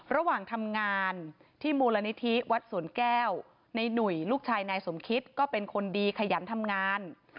ระหว่างทำงานที่มูลนิธิวัดสวนแก้วในหนุ่ยลูกชายนายสมคิตก็เป็นคนดีขยันทำงาน